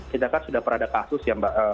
kita kan sudah pernah ada kasus ya mbak